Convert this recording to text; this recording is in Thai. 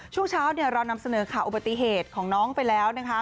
ช่วงเช้าเรานำเสนอข่าวอุบัติเหตุของน้องไปแล้วนะคะ